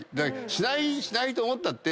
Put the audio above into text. しないしないと思ったって。